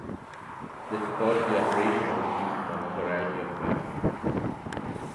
They support the operational fleet from a variety of platforms.